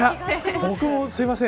僕も、すいません。